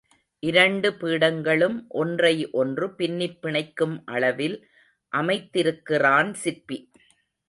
இரண்டு பீடங்களும் ஒன்றை ஒன்று பின்னிப் பிணைக்கும் அளவில் அமைத்திருக்கிறான் சிற்பி.